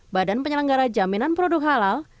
badan penyelenggara jaminan produk halal